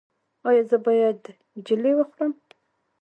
ایا زه باید جیلې وخورم؟